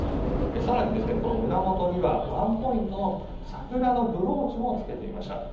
更に、胸元にはワンポイントの桜のブローチも着けていました。